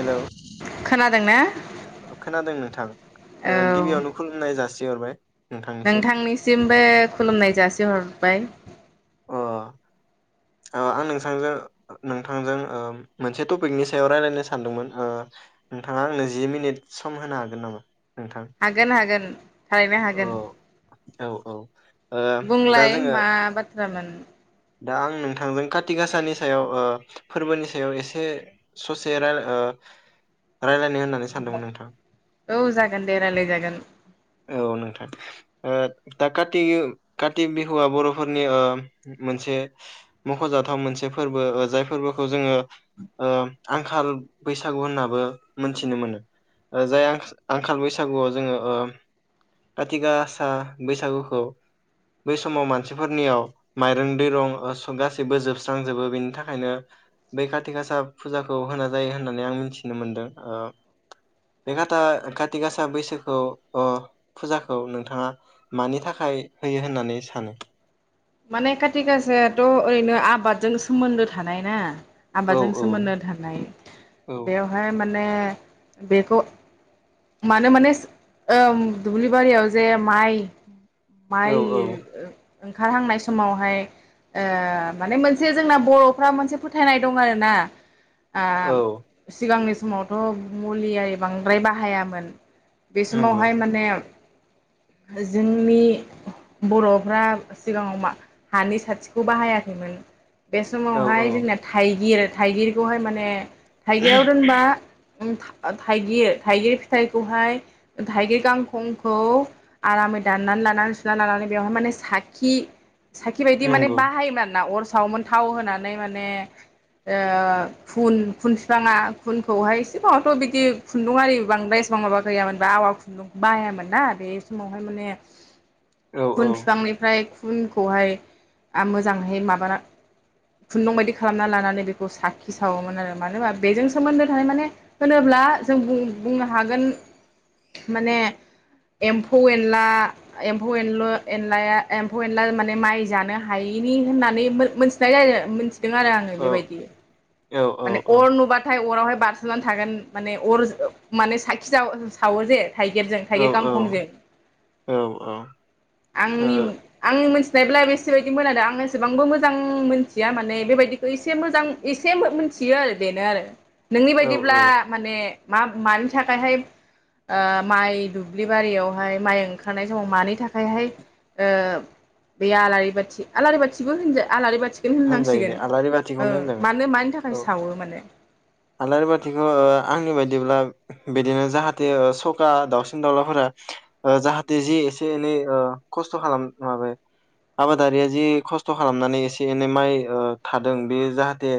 Hello खोनादोंना खोनादों नोंथां औ ओ गिबियावनो खुलुमनाय जासि हरबाय नोंथांनिसिमबो खुलुमनाय जासिहरबाय। अ ओ आं नोंथांजों नोंथांजों ओ मोनसे टपिकनि सायाव रायलायनो सानदोंमोन ओ नोंथाङा आंनो जि मिनिट सम होनो हागोन नामा? नोंथां हागोन हागोन। थारैनो औ हागोन औ औ दा बुंलाय जोङो मा बाथ्रामोन। दा आं नोंथांजों कातिग गासानि सायाव ओ फोरबोनि सायाव एसे ससे रायलाय ओ रायलायनो होननानै सानदोंमोन नोंथां। औ जागोन दे रायलाय जागोन। औ नोंथां ओ दा काति काति बिहुआ बर'फोरनि ओ मोनसे मख'जाथाव मोनसे फोरबो ओ जाय फोरबोखौ जोङो ओ आंखाल बैसागु होननाबो मोनथिनो मोनो। ओ जाय आंखाल बैसागुआव जोङो ओ काथि गासा बैसागुखौ बै समाव मानसिफोरनियाव माइरं दैरं ओ सो गासैबो जोबस्रांजोबो बेनि थाखायनो बै काति गासा फुजाखौ होनाय जायो होननानै आं मिथिनो मोनदों ओ बे काता काति गासा बैसोखौ अ फुजाखौ नोंथाङा मानि थाखाय होयो होननानै सानो? माने खाथि गासायाथ' ओरैनो आबादजों सोमोनदो थानाय ना औ आबाजों औ सोमोन्दो थानाय औ बेवहाय मान ने बेखौ। मानो मानेस ओ दुबलिबारियाव जे माइ औ माइ औ ओ ओंखारहांनाय समावहाय ओ माने मोनसे जोंना बर'फ्रा मोनसे फोथायनाय दं आरोना। आ औ सिगांनि समावथ' मुलि आइ बांद्राय बाहाया मोन बे नंगौ समावहाय माने जोंनि बर'फ्रा सिगाङाव मा हानि साथिखौ बाहायाखैमोन। बे औ समावहाय औ जोंना थाइगिर थाइगिरखौहाय माने थाइगिराव दोनबा उम था-थाइगिर थाइगिर फि थाइखौहाय थाइगिर गांखंखौ आरामै दाननानै लानानै सुनानै लानानै बेवहाय माने साखि साखि बायदि माने नंगौ बाहायोमोन आरोना अर सावोमोन थाव होनानै माने ओ खुन बिफाङा खुनखौहाय एसेबांथ' बिदि खुन्दुं आरिबो बांद्राय बां माबा गैयामोन बा आवा खुन्दुं बाहायामोन ना बे समावहाय माने औ खुन फिफांनिफ्राय खुनखौहाय मोजांहै माबाना खुन्दुं बायदि खालामना लानानै बेखौ साखि सावोमोन आरो मानो होनबा बेजों सोमोन्दो थानाय माने होनोब्ला जों बुंनो हागोन माने एमफौ एनला एम्फौ एनल एनलायामाने माइ जानो हायनि होननानै मोनथिनाय जायो मिथिदों आरो आङो औ बेबायदि औ औ माने अर औ नुबाथाय अरावहाय बारसोननानै थागोन माने अर माने साखि सावो जे थायगिरजो औ थायगिर गांखंजों औ ओ आंनि आंनि मिनथि सिनायब्ला बेसेबायदिमोन आरो आं एसेबांबो मोजां मोनथिया माने बेबायदिखौ एसे मोजां एसे [unintelligible] [unintelligible] बेनो आरो नोंनि औ औ बायदिब्ला माने मा मानि थाखायहाय माइ दुब्लि बारियावहाय माइ ओंखारनाय समाव मानि थाखायहाय बे आलारि बाथि आलारि बाथिबो होनदो आलारि बाथि [unintelligible] होनजायो दे होननांसिगोन आलारि बाथिखौनो होनजागोन मानो मानि थाखाय औ सावो माने आलारि बाथिखौ आंनि बायदिब्ला बिदिनो जाहाथे सखा दाउसिन दाउलाफोरा जाहाथे जि एसे एनै खस्थ' खालाम माबायो आबादारिया जि खस्थ' खालामनानै एसे ए एनै माइ थादों बेयो जाहाथे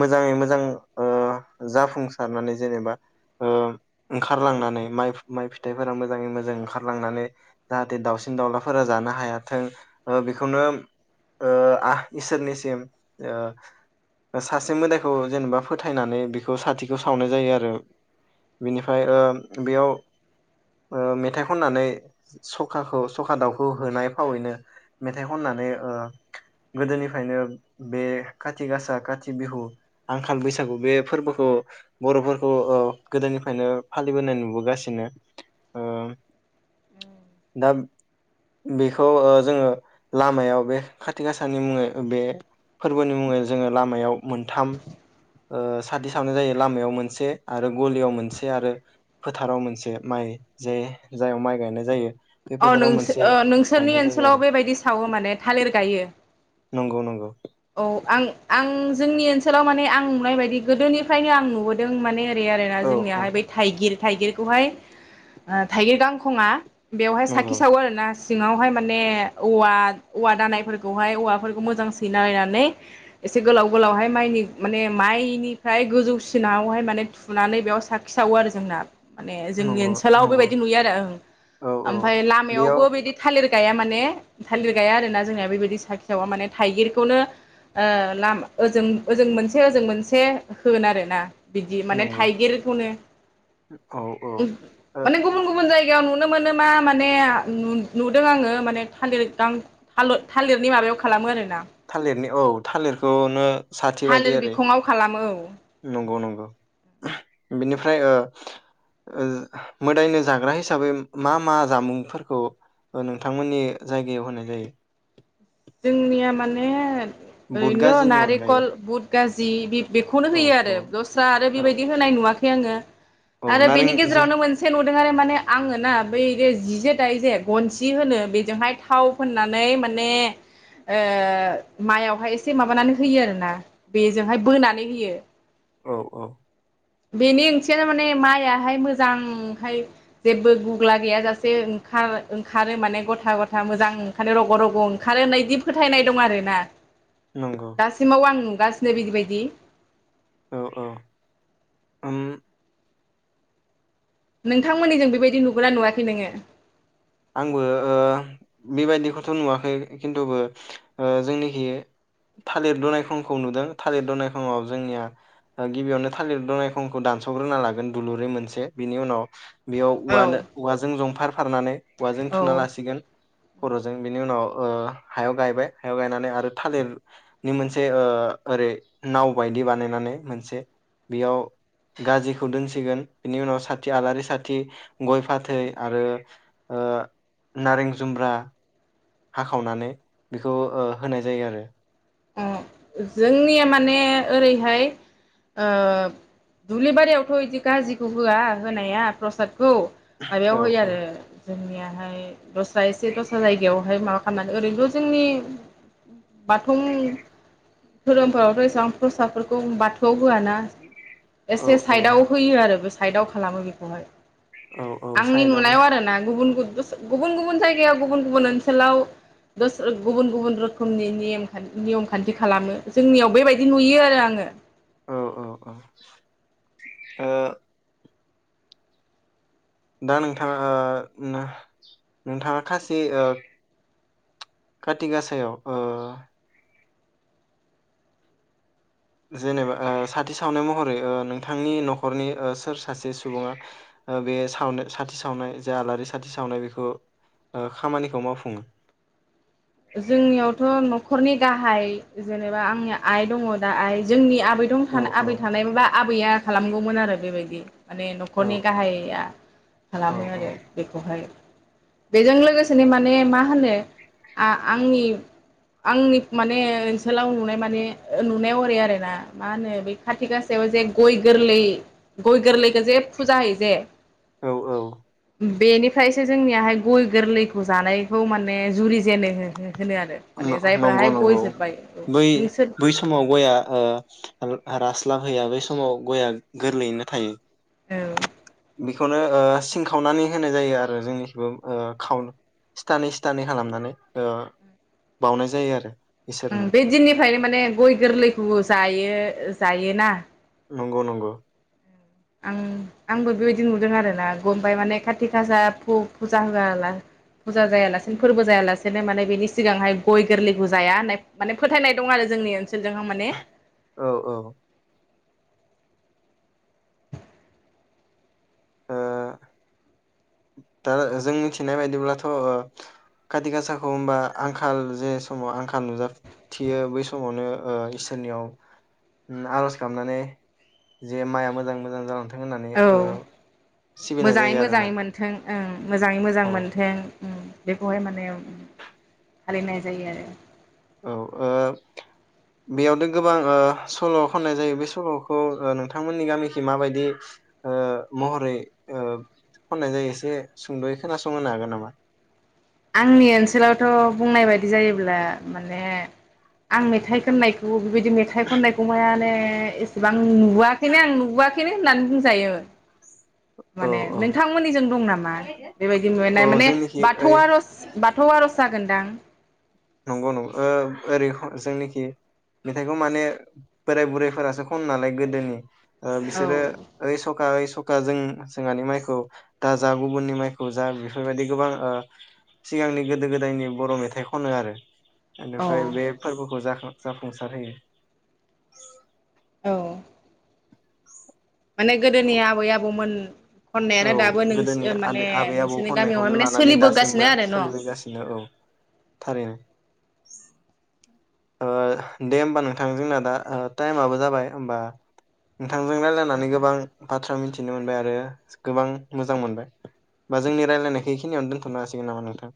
मोजाङै मोजां जिखिनि जिखिनि माइ थादों बे जाहाथे मोजांङै मोजां जाफुंसारनानै जेनेबा ओंखारलांनानै माइ माइ फिथाइफोरा मोजाङै मोजां ओंखारलांनानै जाहाथे दाावसिन दाउलाफोरा जानो हायाथों बेखौनो इसोरनिसिम सासे मोदायखौ जेनेबा फोथायनानै बेखौ इसोरनि सिम सासे मोदायखौ फोथायनानै बिखौ साथिखौ सावनाय जायो आरो बिनिफ्राय बेयाव मेथाइ खननानै सखाखौ सखा दाउखौ होनाय फावैनो मेथाइ खननानै गोदोनिफ्रायनो बे खथि गासा खाथि बिहु आंखाल गोदोनिफायनो बे खाथि गासा खाथि बिहु आंखाल बैसागु बे फोरबोखौ बर'फोरखौ गोदोनिफ्रायनो फालिबोनाय नुबोगासिनो दा बेखौ जोङो लामायाव बे खाथि गासा सानि मुङै बे फोरबोनि मुङै जोङो लामायाव मोनथाम [unintelligible] बे फोरबोनि मुंङै जोंङो लामायाव मोनथाम साथि सावनाय जायो लामायाव मोनसे आरो गलियाव मोनसे आरो फोथाराव मोनसे माइ जे जाय माइ गायनाय जायो बे अ फोथाराव मोनसे नोंसो नोंसोरनि गायनाय जायो ओनसोलाव आरो बेबायदि सावो माने थालिर गायो नंगौ नंगौ औ आं आं जोंनि ओनसोलाव माने आं नुनाय बायदि गोदोनिफ्रायनो आं नुबोदों माने बे आरो ना औ औ जोंनियाहाय बै थाइगिर थाइगिरखौहाय थाइगिर गांखङा बेवहाय साखि नंगौ सावो आरोना सिङावहाय माने औवा औवा दानायफोरखौहाय औवाफोरखौ मोजांसि [unintelligible] दना लायनानै एसे गोलाव गोलावहाय माइनि माने माइनिफ्राय गोजौसिनावहाय माने थुनानै बेयाव साखि सावो आरो जोंना माने जोंनि नंगौ ओनसोलाव नंगौ बेबायदि नुयो आरो औ औ ओमफ्राय बेयाव लामायावबो बिदि थालिर गाया माने थालिर गाया आरो ना जोंनिया बेबायदि साखि सावा माने थाइगिर खौनो ओ लामा ओजों ओजों मोनसे ओजों मोनसे होगोन आरो ना बिदि माने नंगौ थाइगिरखौनो औ औ ओ माने गुबुन गुबुन जाय जायगायाव नुनो मोनो मा माने नुदों आङो माने थालिर आं थालिरनि माबायाव खालामो आरोना थालिरनि औ थालिरखौनो साथि बायदि थालिर आरो बिखङाव खालामो औ नंगौ नंगौ बिनिफ्राय ओ मोदायनो जाग्रा हिसाबै मा मा जामुंफोरखौ नोंथांमोननि जायगायाव होनाय जायो? जोंनिया माने बुट ओरैनोथ' गाजिनि अनगायै नारेेखल बुद गाजि बि बेखौनो औ होयो आरो औ दस्रा आरो औ बेबायदि होनाय नुवा खै आङो औ आरो नारें बेनि जों गेजेरावनो मोनसे न दों आरो माने आङो ना बै जि जे दाय जे गनसि होनो बेजोंहाय थाव फोननानै माने ओ माइआवहाय एसे माबानानै होयो आरोना बेजोंहाय बोनानै होयो। औ औ बेनि ओंथियानो माने माइआहाय मोजांहाय जेबो गुग्ला गैयाजासे ओंखार ओंखारो माने गथा गथा मोजां ओंखारनो रग' रग' ओंखारो होननाय बिदि फोथायनाय दं आरोना नंगौ दासिमाव आं नु गा बिदि बायदि औ औ ओम नोंथांमोननि जों बेबायदि नुबोगोनना नुवाखै नोङो आंबो ओ बेबायदिखौथ' नुवाखै खिन्थुबो जोंनिखि थालिर दनायखंखौ नुदों थालिर दनायखंआव जोंनिया गिबियावनो थालिर दनायखंखौ दानस'ग्रोना लागोन दुलुरै मोनसे बिनि उनाव बेयाव औ औवानो औवाजों जंफार फारनानै औवाजों थुना औ लासिगोन खर'जों बिनि उनाव ओ हायाव गायबाय हायाव गायनानै आरो थालिरनि मोनसे ओ ओरै नाव बायदि बानायनानै मोनसे बेयाव गाजिखौ दोनसिगोन बिनि उनाव साथि आलारि साथि गय फाथै आरो ओ नारें जुमब्रा हाखावनानै बेखौ ओ होनाय जायो आरो जोंनिया माने ओरैहाय ओ दुब्लि बारियावथ' इदि गाजिखौ होआ होनाया प्रसाद खौ माबायाव औ होयो आरो जोंनियाहाय दस्रा एसे दस्रा जायगायावहाय माबा खालामनानै ओरैनोल' जोंनि बाथौ धोरोमफोरावथ' एसेबां प्रसादफोरखौ बाथौआव होआ ना औ एसे औ औ साइदाव होयो आरो गो साइडआव खालामो बेखौहाय औ औ आंनि साइदआवनो नुनायाव आरो ना गुबुन गु गोसो गुबुन गुबुन जायगायाव गुबुन गुबुन ओनसोलाव दस गुबुन गुबुन रोखोमनि निम खान नियम खान्थि खालामो जोंनियाव बेबायदि नुयो आरो आङो औ औ औ ओ दा नोंथाङा ओ नोंथाङा खासि काथि गासायाव ओ जेनेबा ओ साथि सावनाय महरै ओ नोंथांनि न'खरनि ओ सोर सासे सुबुङा ओ बे सावनो साथि सावनाय जा आलारि साथि सावनाय बेखौ ओ खामानिखौ मावफुङो जोंनियावथ' न'खरनि गाहाय जेनेबा आंनि आइ दङ दा आइ जोंनि आब आबै औ दं औ आबै थानायमोनबा आबैया खालामगौमोन आरो बेबायदि माने औ न'खरनि गाहाया औ खालामो आरो बेखौहाय बेजों लोगोसेनो माने मा होनो आ आंनि आंनि माने ओनसोलाव नुनाय माने ओ नुनायाव ओरै आरोना मा होनो बे खाथि गासायाव जे गय गोरलै गय गोरलैखौ जे फुजा होयो जे औ औ बेनिफ्रायसो जोंनियाहाय गय गोरलैखौ जानायखौ माने जुरि जेनो हो हो नंगौ नंगौ औ बै नोंसोर बै समाव गया ओ रास्लाब होया बै समाव गया गोरलैयैनो थायो औ बेखौनो ओ सिं खावनानै होनाय जायो आरो जोंनिखौबो ओ खाव सिथानै सिथानै खालामनानै ओ बावउनाय जायो आरो ओ इसोरनो बे दिननिफ्रायनो माने गय गोरलैखौ जायो जायो ना नंगौ नंगौ आं आंबो बेबायदि नुदों आरोना ओमफ्राय माने खाारथि खाासा फुजा होआला फुजा जायालासेनो फोरबो जायालासेनो माने बेनि सिगांहाय गय गोरलैखौ जाया होननाय माने फोथायनाय दं आरो जोंनि ओनसोल [unintelligible] माने औ औ ओ दा जों मिथिनाय बायदिब्लाथ' खाथि गासाखौ होमबा आंखाल जे समाव आंखाल नुजाथियो बै समावनो ओ इसोरनियाव उम आर'ज गाबनानै जे माइआ मोजां मोजां जालांथों जों होननानै औ सिबिनाय जायो आरोना ओ मोजाङै मोजां औ मोनथों उम बेखौहाय माने फालिनाय जायो आरो औ औ बेयावनो गोबां ओ सल' खननाय जायो बे सल'खौ ओ नोंथांमोननि गामिखै माबायदि ओ महरै ओ खननाय जायो एसे सुंद'यै खोनासंहोनो हागोन नामा? आंनि ओनसोलावथ' बुंनाय बायदि जायोब्ला माने आं मेथाइ खननायखौ बेबायदि मेथाइ खननायखौ माने ए एसेबां आं नुवाखैनो आं नुवाखैनो होननानै बुंजायो औ माने औ नोंथांमोननिजों दं नामा बेबायदि नुनाय औ माने जोंनिखि ओइ बाथौआ आरज बाथौ आर'ज जागोनदां बा नंगौ नंगौ ओ ओरै जोंनिखि मेथाइखौ माने बोराय बुरैफोरासो खनो नालाय गोदोनि ओ औ बिसोरो ओइ सखा ओइ स सखा जों जोंहानि माइखौ दा जा गुबुननि माइखौ जा बेफोरबायदि गोबां ओ सिगांनि गोदो गोदायनि बर' मेथाइखौ खनो‌ आरो औ बेनिफ्राय बे फोरबोखौ जाखो जाफुंसार होयो औ माने गोदोनि आबै आबौमोन औ खननायानो दाबो नों गोदोनि माने आबै आबौ नोंसोरनि गामियावहाय खननायखौनो माने लानानै सोलिबोगासिनो दासिमबो आरो न' औ सोलिबोगासिनो औ थारैनो दे होमबा नोंथां जोंना दा टाइमाबो जाबाय होमबा नोंथांजों रायलायनानै औ गोबां बाथ्रा मिथिनो मोनबाय आरो गोबां मोजां मोनबाय बा जोंनि रायलायनायखौ बेखिनियावनो दोनथ'नो हासिगोन नामा नोंथां